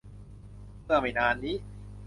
เมื่อไม่นานนี้